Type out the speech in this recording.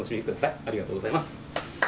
ありがとうございます。